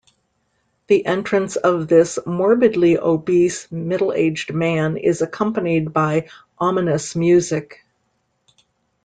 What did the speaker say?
The entrance of this morbidly obese middle-aged man is accompanied by ominous music.